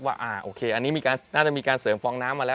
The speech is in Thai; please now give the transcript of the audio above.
ว่าโอเคอันนี้น่าจะมีการเสริมฟองน้ำมาแล้ว